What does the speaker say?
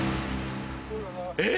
］えっ！